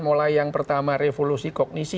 mulai yang pertama revolusi kognisi